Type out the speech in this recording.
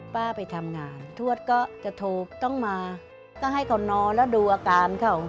ไปทำงานทวดก็จะโทรต้องมาต้องให้เขานอนแล้วดูอาการเขา